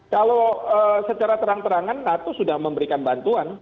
kalau secara terang terangan natu sudah memberikan bantuan